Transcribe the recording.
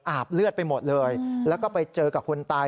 อาบเลือดไปหมดเลยแล้วก็ไปเจอกับคนตาย